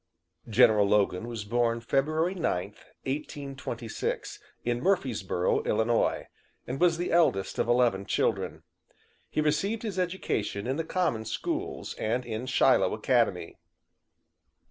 General Logan was born February 9th, 1826, in Murphysboro, Illinois, and was the eldest of eleven children. He received his education in the common schools and in Shiloh Academy.